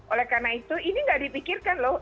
oleh karena itu ini nggak dipikirkan loh